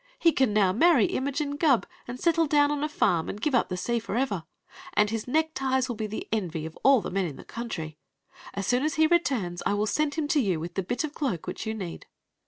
He can now ma ry Imogene Gubb and settle down on a farm, and give up the sea forever ! And his neckties will be the envy <rf all the men in the country. As soon as he returns I will send him to you with the bit of the cloak which you need."